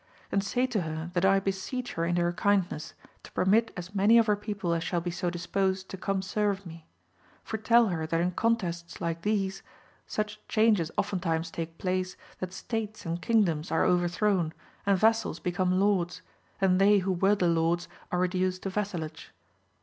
And say to her that I be seech her in her kindness to permit as many of her people as shall be so disposed to come serve me ; for tell her that in contests like these, such changes oftentimes take place, that states and kingdoms are overthrown, and vassals become lords, and they who were the lords, are reduced to vassalage.